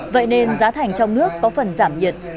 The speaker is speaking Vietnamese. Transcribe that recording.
vậy nên giá thành trong nước có phần giảm nhiệt